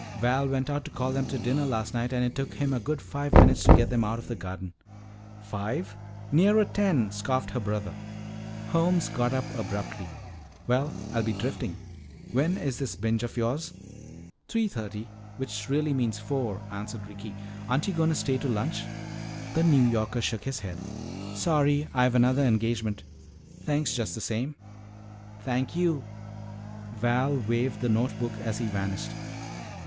Val went out to call them to dinner last night and it took him a good five minutes to get them out of the garden." "Five? Nearer ten," scoffed her brother. Holmes got up abruptly. "Well, I'll be drifting. When is this binge of yours?" "Three thirty, which really means four," answered Ricky. "Aren't you going to stay to lunch?" The New Yorker shook his head. "Sorry, I've another engagement. Thanks just the same." "Thank you!" Val waved the note book as he vanished.